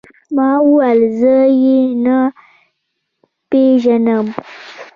ما وويل زه يې نه پېژنم.